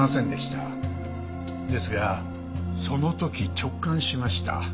ですがその時直感しました。